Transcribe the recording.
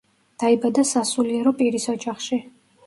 დაიბადა სასულიერო პირის ოჯახში.